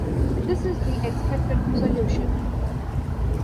This is the expected solution.